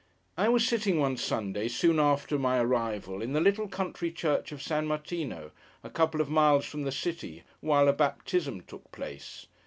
I was sitting, one Sunday, soon after my arrival, in the little country church of San Martino, a couple of miles from the city, while a baptism took place.